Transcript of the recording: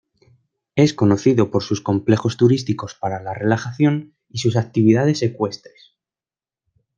Es conocido por su complejos turísticos para la relajación y sus actividades ecuestres.